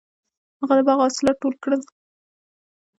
هغه د باغ حاصلات ټول کړل.